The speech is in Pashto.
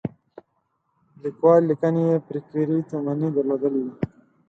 لیکوال لیکنې یې فکري تومنې درلودلې دي.